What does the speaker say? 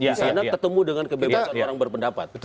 karena ketemu dengan kebebasan orang berpendapat